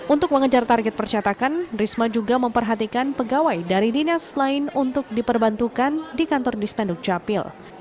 untuk mengejar target percetakan risma juga memperhatikan pegawai dari dinas lain untuk diperbantukan di kantor dispenduk capil